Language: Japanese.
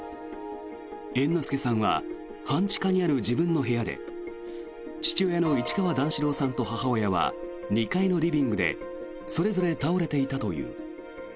猿之助さんは半地下にある自分の部屋で父親の市川段四郎さんと母親は２階のリビングでそれぞれ倒れていたという。